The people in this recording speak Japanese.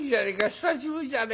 久しぶりじゃねえか。